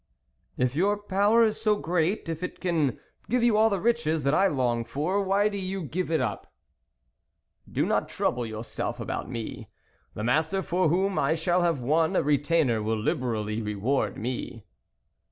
"If your power is so great, if it can give you all the riches that I long for, why do you give it up ?"" Do not trouble yourself about me. The master for whom I shall have won a retainer will liberally reward me."